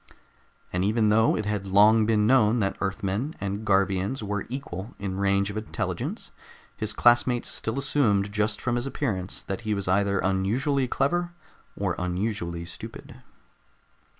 And even though it had long been known that Earthmen and Garvians were equal in range of intelligence, his classmates still assumed just from his appearance that he was either unusually clever or unusually stupid.